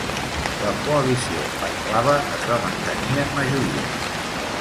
La Coalició Pan-Blava es va mantenir en majoria.